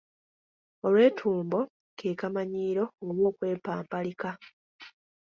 Olwetumbo ke kamanyiiro oba okwepampalika.